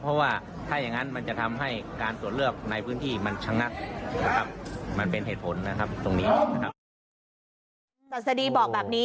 เพราะว่าถ้าอย่างงั้นมันจะทำให้การตรวจเลือกในพื้นที่มันชะงัดนะครับ